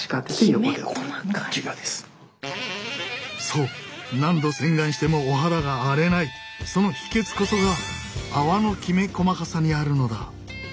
そう何度洗顔してもお肌が荒れないその秘けつこそが泡のきめ細かさにあるのだ。